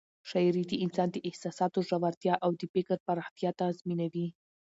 شاعري د انسان د احساساتو ژورتیا او د فکر پراختیا تضمینوي.